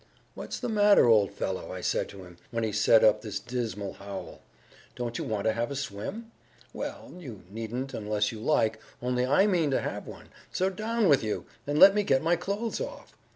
"'What's the matter, old fellow?' I said to him, when he set up this dismal howl. 'Don't you want to have a swim? Well, you needn't unless you like, only I mean to have one; so down with you, and let me get my clothes off.'